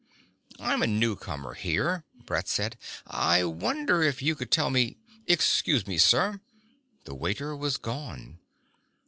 "I'm a newcomer here," Brett said. "I wonder if you could tell me " "Excuse me, sir." The waiter was gone.